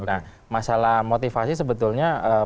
nah masalah motivasi sebetulnya